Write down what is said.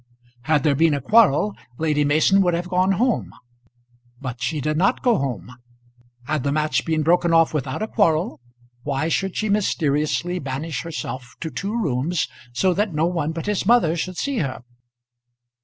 Had there been a quarrel Lady Mason would have gone home; but she did not go home. Had the match been broken off without a quarrel, why should she mysteriously banish herself to two rooms so that no one but his mother should see her?